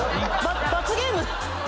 罰ゲーム⁉